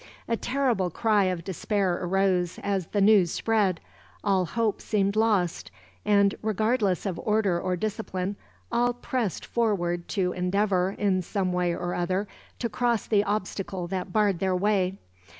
A terrible cry of despair arose, as the news spread. All hope seemed lost and, regardless of order or discipline, all pressed forward to endeavor, in some way or other, to cross the obstacle that barred their way.